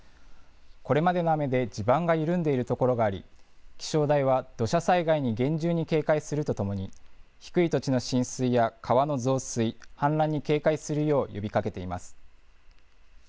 これまでの雨で地盤が緩んでいる所があり、気象台は、土砂災害に厳重に警戒するとともに、低い土地の浸水や川の増水、氾濫に警戒するよう呼びかけています。